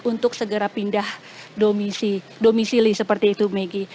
untuk segera pindah domisili seperti itu megi